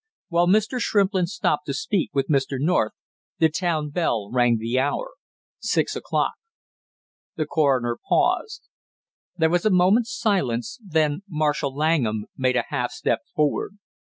While Mr. Shrimplin stopped to speak with Mr. North the town bell rang the hour six o'clock." The coroner paused. There was a moment's silence, then Marshall Langham made a half step forward.